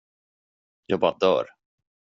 Jag bara dör.